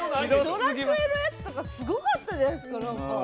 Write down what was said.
「ドラクエ」のやつとかすごかったじゃないですか。